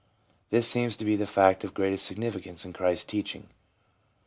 This seemed to be the fact of greatest significance in Christ's teaching.